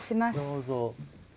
どうぞ。